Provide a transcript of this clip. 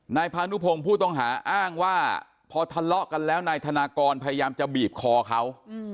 นายพานุพงศ์ผู้ต้องหาอ้างว่าพอทะเลาะกันแล้วนายธนากรพยายามจะบีบคอเขา